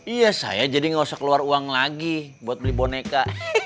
iya saya jadi nggak usah keluar uang lagi buat beli boneka